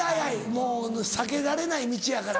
もう避けられない道やからな。